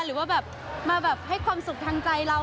หรือว่าแบบมาแบบให้ความสุขทางใจเรา